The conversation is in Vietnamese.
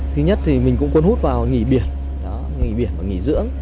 thứ nhất thì mình cũng cuốn hút vào nghỉ biển nghỉ biển và nghỉ dưỡng